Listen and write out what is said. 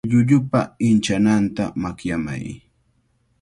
Llullupa inchananta makyamay.